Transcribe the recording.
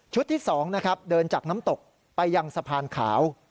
ชุดที่๒เดินจากน้ำตกไปยังสะพานขาว